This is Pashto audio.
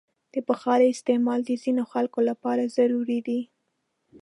د بخارۍ استعمال د ځینو خلکو لپاره ضروري دی.